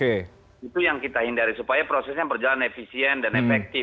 itu yang kita hindari supaya prosesnya berjalan efisien dan efektif